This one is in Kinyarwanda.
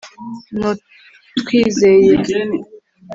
ntutwizeye